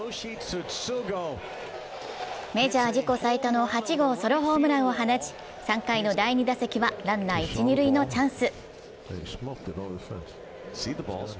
メジャー自己最多の８号ソロホームランを放ち３回の第２打席はランナー一・二塁のチャンス。